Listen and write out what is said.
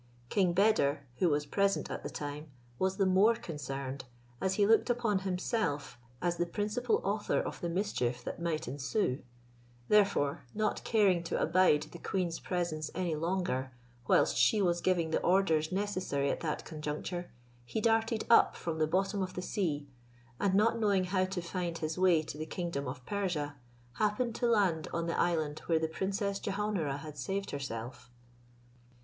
King Beder, who was present at the time, was the more concerned, as he looked upon himself as the principal author of the mischief that might ensue: therefore, not caring to abide the queen's presence any longer, whilst she was giving the orders necessary at that conjuncture, he darted up from the bottom of the sea; and not knowing how to find his way to the kingdom of Persia, happened to land on the island where the Princess Jehaun ara had saved herself.